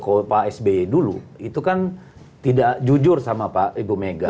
kalau pak sby dulu itu kan tidak jujur sama pak ibu mega